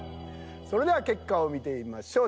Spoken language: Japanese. それでは結果を見てみましょう。